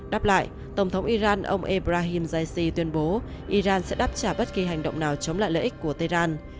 đáp lại tổng thống iran ông ebrahim raisi tuyên bố iran sẽ đáp trả bất kỳ hành động nào chống lại lợi ích của tehran